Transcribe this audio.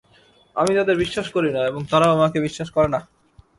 আমি তাদের বিশ্বাস করি না, এবং তারাও আমাকে বিশ্বাস করে না।